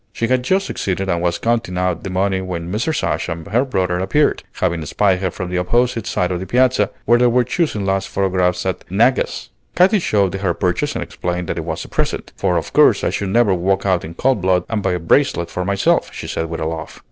She had just succeeded and was counting out the money when Mrs. Ashe and her brother appeared, having spied her from the opposite side of the Piazza, where they were choosing last photographs at Naga's. Katy showed her purchase and explained that it was a present; "for of course I should never walk out in cold blood and buy a bracelet for myself," she said with a laugh.